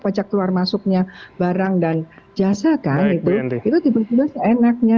pajak keluar masuknya barang dan jasa kan itu tiba tiba seenaknya